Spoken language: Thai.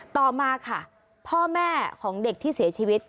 ต่อมาค่ะพ่อแม่ของเด็กที่เสียชีวิต